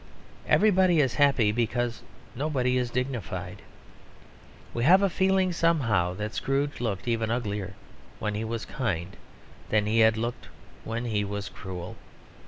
Everybody is happy because nobody is dignified. We have a feeling somehow that Scrooge looked even uglier when he was kind than he had looked when he was cruel.